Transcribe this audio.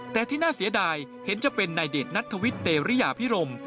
แต่ที่น่าเสียดายเห็นจะเป็นนายเดชนัทธวิทย์เตรริยาพิรม